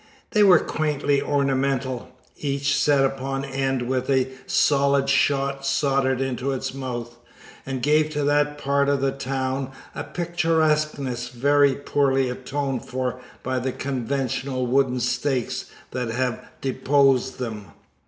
They were quaintly ornamental, each set upon end with a solid shot soldered into its mouth, and gave to that part of the town a picturesqueness very poorly atoned for by the conventional wooden stakes that have deposed them.